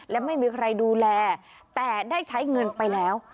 และไม่มีใครดูแลแต่ได้ใช้เงินไปแล้ว